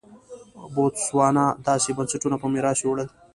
بوتسوانا داسې بنسټونه په میراث یووړل.